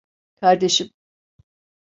Kardeşim.